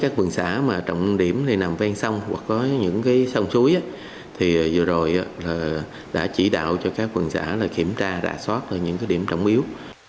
các quần xã trọng điểm nằm ven sông hoặc có những sông suối vừa rồi đã chỉ đạo cho các quần xã kiểm tra rạ soát những điểm trọng yếu